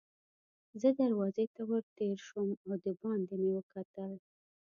زه دروازې ته ور تېر شوم او دباندې مې وکتل.